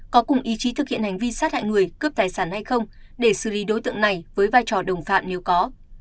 có cùng ý chí thực hiện hành vi sát hại người cướp tài sản hay không để xử lý đối tượng này với vai trò đồng phạm nếu có